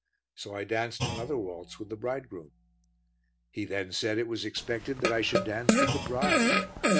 So I danced another waltz with the bridegroom. He then said it was expected that I should dance with the bride.